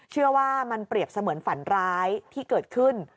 เชื่อว่ามันเปรียบเสมือนฝันร้ายที่เกิดขึ้น